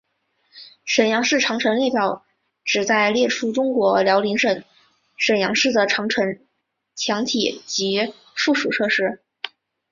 沈阳市长城列表旨在列出中国辽宁省沈阳市的长城墙体及附属设施。